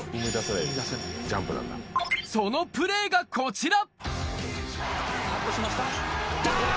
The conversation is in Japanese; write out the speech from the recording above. そのプレーがこちら！